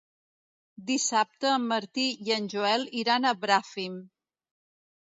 Dissabte en Martí i en Joel iran a Bràfim.